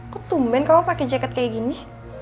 kok tumben kamu pakai jaket kayak gini